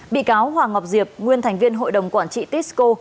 bị cáo hoàng ngọc diệp nguyên thành viên hội đồng quản trị tisco